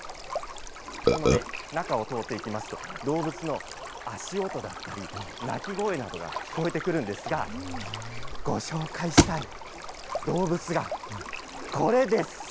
この中を通っていきますと、動物の足音だったり、鳴き声などが聞こえてくるんですが、ご紹介したい動物がこれです。